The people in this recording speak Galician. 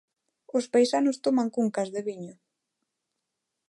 Os paisanos toman cuncas de viño.